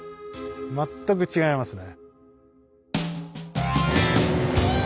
全く違いますね。